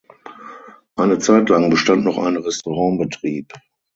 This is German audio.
Eine Zeitlang bestand noch ein Restaurantbetrieb.